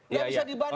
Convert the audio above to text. nggak bisa dibantah